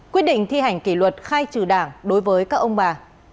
quyết định thi hành kỷ luật khai trừ đảng đối với các ông bà